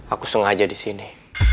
aku sengaja di sini